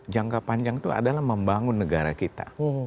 jangka panjang itu adalah membangun negara kita